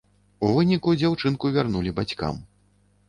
У выніку, дзяўчынку вярнулі бацькам.